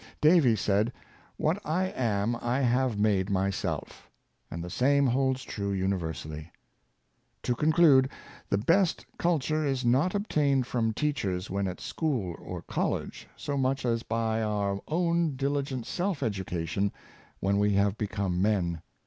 Davy said, " What I am I have made myself; " and the same holds true universally. To conclude: the best culture is not obtained from teachers when at school or college, so much as by our own dilio:ent self education when we have become men.